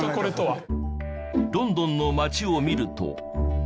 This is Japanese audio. ロンドンの街を見ると。